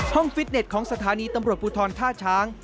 ฟิตเน็ตของสถานีตำรวจภูทรท่าช้าง